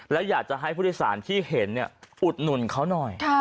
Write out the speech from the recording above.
แล้วอยากจะให้ผู้โดยสารที่เห็นอุดหนุนเขาหน่อย